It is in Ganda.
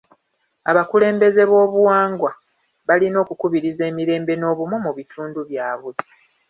Abakulembeze bw'obuwangwa balina okukubiriza emirembe n'obumu mu bitundu byabwe.